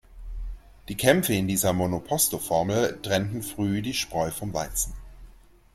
Die Kämpfe in dieser Monoposto-Formel trennten früh die Spreu vom Weizen.